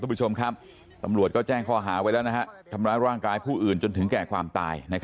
ตีใช้ไม้๓ครั้งครับแล้วตอนนั้นเราเมาไหม